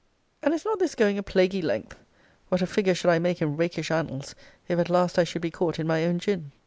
And is not this going a plaguy length? What a figure should I make in rakish annals, if at last I should be caught in my own gin?